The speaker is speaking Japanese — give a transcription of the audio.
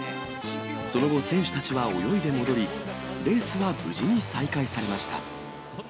その後、選手たちは泳いで戻り、レースは無事に再開されました。